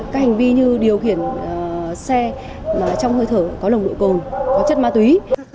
các hành vi như điều khiển xe trong hơi thở có lồng đội cồn có chất ma túy